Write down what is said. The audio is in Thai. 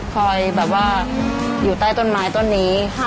คอยอยู่ใต้ต้นไม้ต้นนี้